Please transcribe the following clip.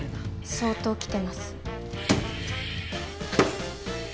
相当きてます。